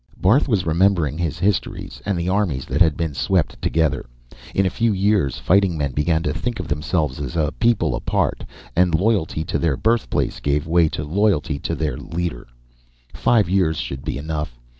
Barth was remembering his histories, and the armies that had been swept together. In a few years, fighting men began to think of themselves as a people apart, and loyalty to their birthplace gave way to loyalty to their leader. Five years should be enough.